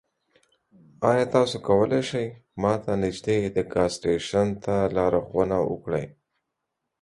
ایا تاسو کولی شئ ما ته نږدې د ګاز سټیشن ته لارښوونه وکړئ؟